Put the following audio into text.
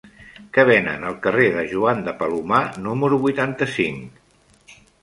Què venen al carrer de Joan de Palomar número vuitanta-cinc?